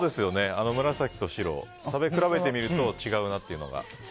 紫と白、食べ比べてみると違うなというのが。